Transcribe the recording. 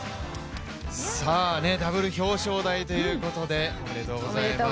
ダブル表彰台ということで、おめでとうございます。